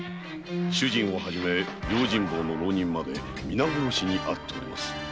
主人を始め用心棒の浪人までみな殺しにあっております。